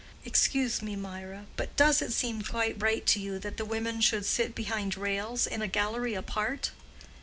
"Excuse me, Mirah, but does it seem quite right to you that the women should sit behind rails in a gallery apart?"